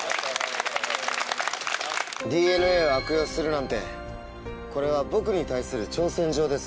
ＤＮＡを悪用するなんてこれは僕に対する挑戦状です。